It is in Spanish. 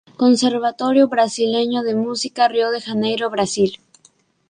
Conservatorio Brasileño de Música, Río de Janeiro, Brasil.